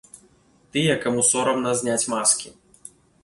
Тыя, каму сорамна зняць маскі.